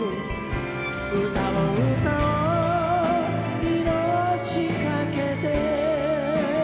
「歌を歌おう生命かけて」